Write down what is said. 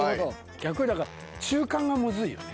逆にだから中間がむずいよね。